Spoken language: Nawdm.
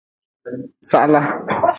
Sahla.